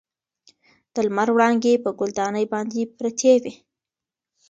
د لمر وړانګې په ګل دانۍ باندې پرتې وې.